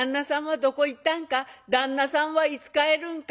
旦那さんはいつ帰るんか？